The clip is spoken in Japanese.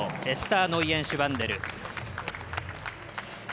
エスター・ノイエンシュバンデル。